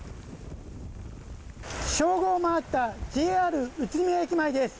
正午を回ったＪＲ宇都宮駅前です。